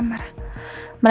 jadi jadi gini